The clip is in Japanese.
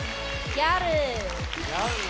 ギャルだ。